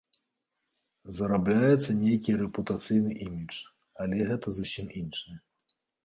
Зарабляецца нейкі рэпутацыйны імідж, але гэта зусім іншае.